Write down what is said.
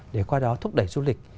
để qua đó thúc đẩy du lịch